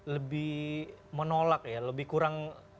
lebih menolak ya lebih kurang